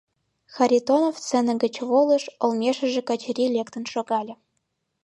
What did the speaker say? Харитонов сцена гыч волыш, олмешыже Качырий лектын шогале.